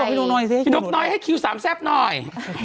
อาจมีคำว่าพี่น้อกนอยให่คิว๓แซปหน่อย